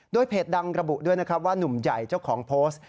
โดยเพจดังระบุด้วยนะครับว่านุ่มใหญ่เจ้าของโพสต์